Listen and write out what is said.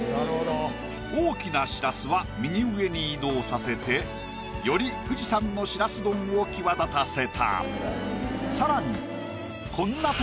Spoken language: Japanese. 大きなしらすは右上に移動させてより富士山のしらす丼を際立たせた。